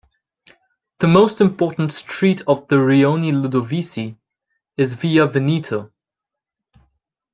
The most important street of the rione Ludovisi is Via Veneto.